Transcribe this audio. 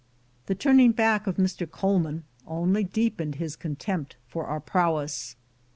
The turning back of Mr. Coleman only deep ened his contempt for our prowess.